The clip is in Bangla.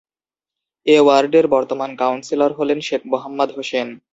এ ওয়ার্ডের বর্তমান কাউন্সিলর হলেন শেখ মোহাম্মদ হোসেন।